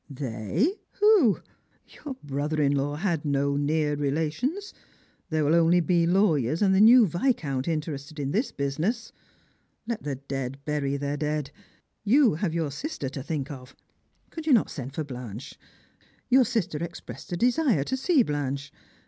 ''They! Who? Your brother in law had no near relation i. There will only be lawyers and the new Viscount interested in this business. Let the dead bury their dead. You have your sister to think of. Could you not send for Blanche? Your sister expressed a desire to see Blanche.